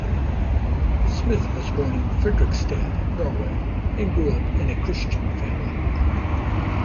Smith was born in Fredrikstad, Norway and grew up in a Christian family.